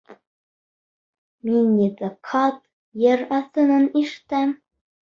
Мин ете ҡат ер аҫтынан ишетәм!